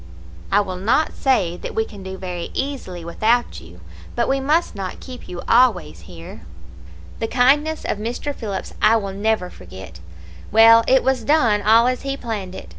I will not say that we can do very easily without you, but we must not keep you always here.' "The kindness of Mr. Phillips I will never forget. Well, it was done all as he planned it.